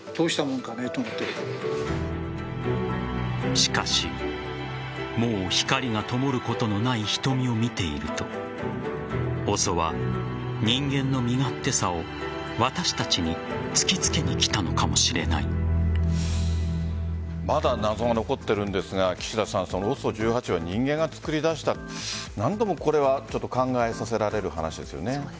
しかし、もう光がともることのない瞳を見ているとＯＳＯは、人間の身勝手さを私たちに突き付けにまだ謎が残っているんですが岸田さんＯＳＯ１８は人間が作り出した何ともこれは考えさせられる話です。